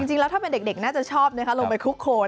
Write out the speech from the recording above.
จริงแล้วถ้าเป็นเด็กน่าจะชอบนะคะลงไปคลุกโคน